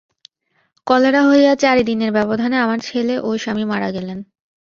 Cholera হইয়া চারি দিনের ব্যবধানে আমার ছেলে ও স্বামী মারা গেলেন।